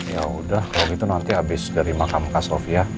ya udah kalau gitu nanti habis dari makam khas sofia